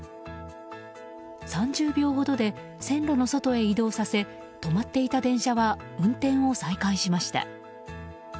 ３０秒ほどで線路の外へ移動させ止まっていた電車は運転を再開しました。